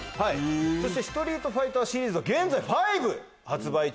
ストリートファイターシリーズは現在『』が発売中。